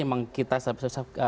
memang kita sebesar besar